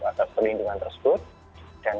atas perlindungan tersebut dan